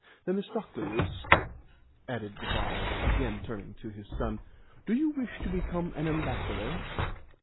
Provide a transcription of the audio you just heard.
Themistocleus," added the father, again turning to his son, "do you wish to become an ambassador?"